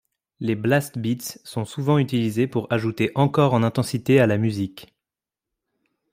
Les blast beats sont souvent utilisés pour ajouter encore en intensité à la musique.